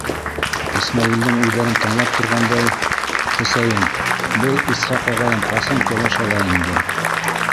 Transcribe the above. Исмәғилдең уйҙарын тыңлап торғандай, Хөсәйен: — Был Исхаҡ ағайым ҡасан кәләш ала инде?